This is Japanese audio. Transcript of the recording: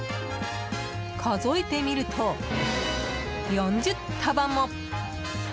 数えてみると、４０束も。